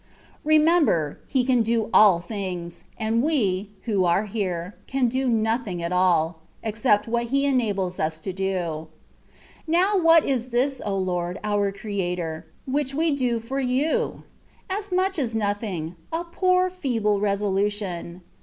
Remember, He can do all things, and we, who are here, can do nothing at all, except what He enables us to do. Now what is this, O Lord, our Creator ! which we do for You? As much as nothing — a poor feeble resolution.